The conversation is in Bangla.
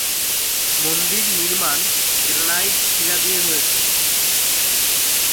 মন্দির নির্মাণ গ্রানাইট শিলা দিয়ে হয়েছে।